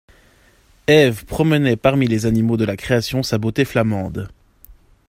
Eve promenait parmi les animaux de la création sa beauté flamande.